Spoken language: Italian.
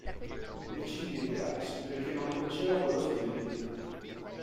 Decise di ritirarsi perché non le piaceva quello stile di vita.